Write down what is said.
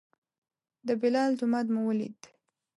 د بلال جومات مو ولید.